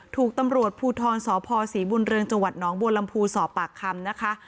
ถูกตำรวจภูทรสพศรีบุญเรืองจังหวัดน้องบัวลำพูสอบปากคำนะคะ